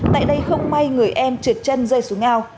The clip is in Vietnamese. tại đây không may người em trượt chân rơi xuống ao